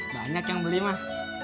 banyak yang beli mah